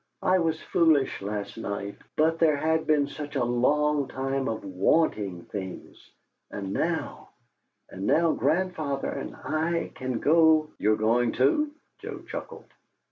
"I was foolish last night, but there had been such a long time of WANTING things; and now and now grandfather and I can go " "You're going, too!" Joe chuckled.